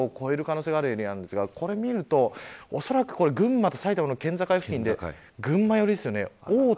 ４０度を超える可能性があるエリアなんですがおそらく群馬と埼玉の県境付近で群馬よりですよね。